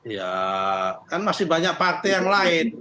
ya kan masih banyak partai yang lain